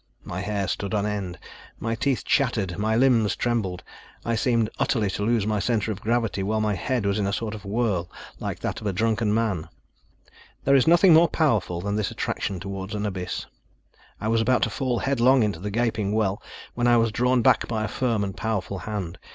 My hair stood on end, my teeth chattered, my limbs trembled. I seemed utterly to lose my centre of gravity, while my head was in a sort of whirl, like that of a drunken man. There is nothing more powerful than this attraction towards an abyss. I was about to fall headlong into the gaping well, when I was drawn back by a firm and powerful hand.